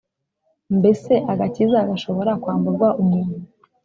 Mbese agakiza gashobora kwamburwa umuntu?